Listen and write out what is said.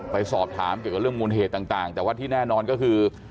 ไปสอบถามเกี่ยวกับเรื่องมูลเหตุต่างแต่ว่าที่แน่นอนก็คือ